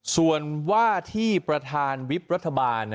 ส่วนว่าที่ประธานวิบรัฐบาล